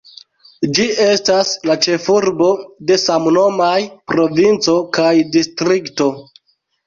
Ĝi estas la ĉefurbo de samnomaj provinco kaj distrikto.